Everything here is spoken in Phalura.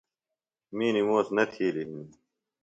می نِموس نہ تھیلیۡ ہِنیۡ۔